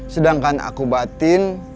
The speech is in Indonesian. sedangkan aku batin